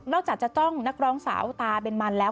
จากจะจ้องนักร้องสาวตาเป็นมันแล้ว